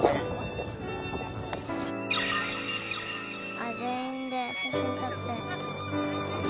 あっ全員で写真撮って。